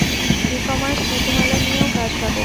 ই commerce নীতিমালা নিয়েও কাজ হবে।